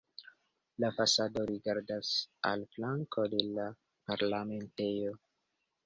La fasado rigardas al flanko de la Parlamentejo.